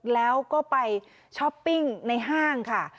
แล้วก็ไปช้อปปิ้งในห้างค่ะ